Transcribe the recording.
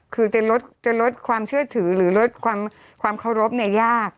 คือจะลดความเชื่อถือหรือลดความเคารพเนี่ยยาก